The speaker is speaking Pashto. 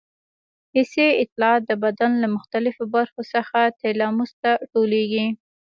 حسي اطلاعات د بدن له مختلفو برخو څخه تلاموس ته ټولېږي.